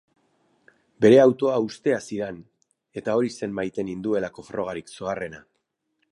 Bere autoa uztea zidan eta hori zen maite ninduelako frogarik zoharrena.